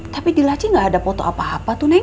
tapi di laci gak ada foto apa apa tuh neng